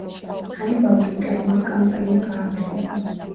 ჰანიბალმა იტალიური კამპანია გააგრძელა.